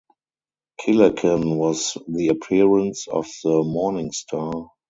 Kileken was the appearance of the 'morning star'.